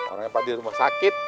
orangnya pada di rumah sakit